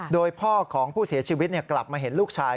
โดยพ่อของผู้เสียชีวิตกลับมาเห็นลูกชาย